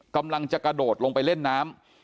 กำลังจะกระโดดลงไปเล่นน้ำ